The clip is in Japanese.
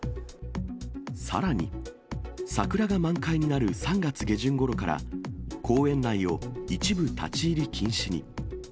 さらに、桜が満開になる３月下旬ごろから、公園内を一部立ち入り禁止に。